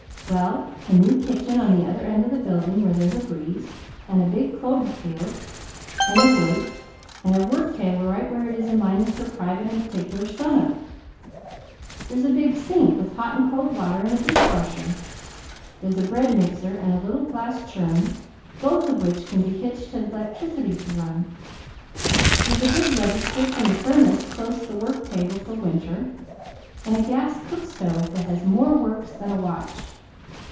"Well a new kitchen on the other end of the building where there's a breeze, and a big clover field, and a wood, and her work table right where it is in line with her private and particular sunup. There's a big sink with hot and cold water, and a dishwasher. There's a bread mixer and a little glass churn, both of which can be hitched to the electricity to run. There's a big register from the furnace close the work table for winter, and a gas cook stove that has more works than a watch."